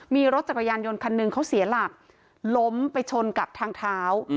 มีรถจักรยานยนต์คันหนึ่งเขาเสียหลักล้มไปชนกับทางเท้า